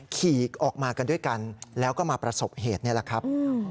ขี่ออกมากันด้วยกันแล้วก็มาประสบเหตุนี่แหละครับ